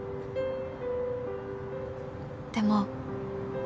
「でも」